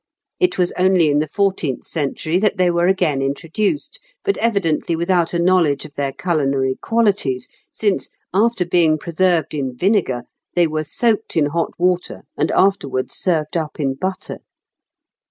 It was only in the fourteenth century that they were again introduced, but evidently without a knowledge of their culinary qualities, since, after being preserved in vinegar, they were soaked in hot water, and afterwards served up in butter.